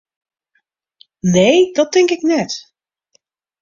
Nee, dat tink ik net.